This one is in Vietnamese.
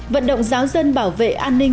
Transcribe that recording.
vận động giáo dân bảo vệ